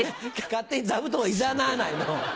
勝手に座布団をいざなわないの。